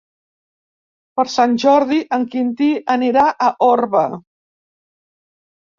Per Sant Jordi en Quintí anirà a Orba.